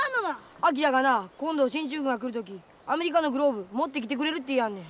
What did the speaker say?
昭がな今度進駐軍が来る時アメリカのグローブ持ってきてくれるって言いやんねん。